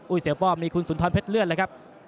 อุ๊ยเสียบบมีคุณสุนทรเพชรเลือดนะครับ